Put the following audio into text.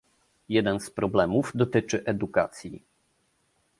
Jeden z problemów dotyczy edukacji